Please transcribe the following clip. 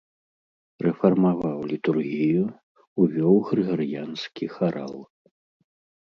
Рэфармаваў літургію, увёў грыгарыянскі харал.